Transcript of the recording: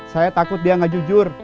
saya takut dia nggak jujur